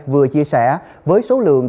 vừa chia sẻ với số lượng